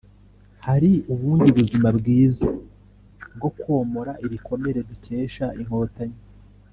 hari ubundi buzima bwiza bwo komora ibikomere dukesha Inkotanyi